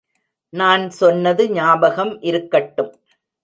நான் சொன்னது ஞாபகம் இருக்கட்டும்.